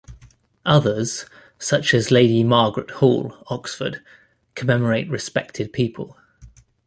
Others, such as Lady Margaret Hall, Oxford, commemorate respected people.